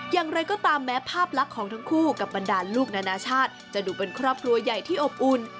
อย่างไรก็ตามแม้ภาพลักษณ์ของทั้งคู่กับบรรดาลูกนานาชาติจะดูเป็นครอบครัวใหญ่ที่อบอุ่น